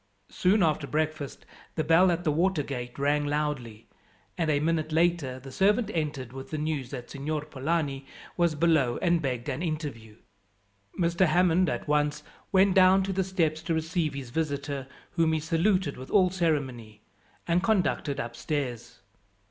Soon after breakfast the bell at the water gate rang loudly, and a minute later the servant entered with the news that Signor Polani was below, and begged an interview. Mr. Hammond at once went down to the steps to receive his visitor, whom he saluted with all ceremony, and conducted upstairs.